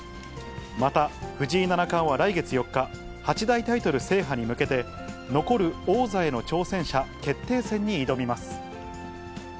また、藤井七冠は来月４日、八大タイトル制覇に向けて、残る王座への挑戦者決定戦に挑みます。